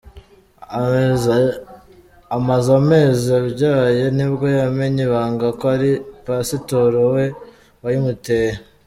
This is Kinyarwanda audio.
Amaze amezi abyaye nibwo yamennye ibanga ko ari Pasitoro we wayimuteye.